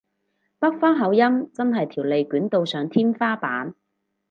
北方口音真係條脷捲到上天花板